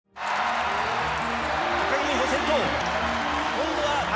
木美帆先頭。